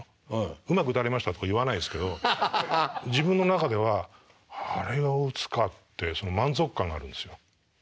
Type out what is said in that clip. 「うまく打たれました」とか言わないですけど自分の中では「あれを打つか」って満足感があるんですよ。